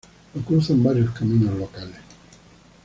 Lo cruzan varios caminos locales.